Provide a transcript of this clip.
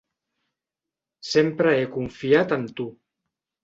Sempre he confiat en tu.